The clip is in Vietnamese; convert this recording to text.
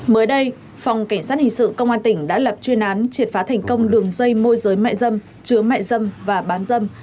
mới đây phòng cảnh sát hình sự công an tỉnh đã lập chuyên án triệt phá thành công đường dây môi giới mại dâm chứa mại dâm và bán dâm